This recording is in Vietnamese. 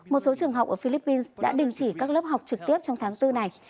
một số trường học ở philippines đã đình chỉ các lớp học trực tiếp trong tháng bốn này